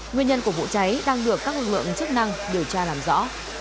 nguyên nhân của vụ cháy đang được các lực lượng chức năng điều tra làm rõ